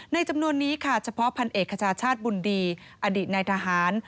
ในจำนวนนี้เฉพาะพันธุ์เอกขจาชาติบุญดีอดีตในทหาร